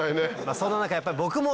そんな中やっぱり僕も。